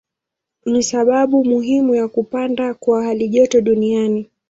Ni sababu muhimu ya kupanda kwa halijoto duniani.